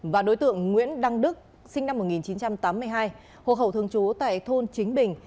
và đối tượng nguyễn đăng đức sinh năm một nghìn chín trăm tám mươi hai hộ khẩu thường trú tại thôn chính bình